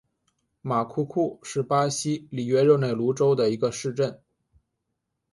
马库库是巴西里约热内卢州的一个市镇。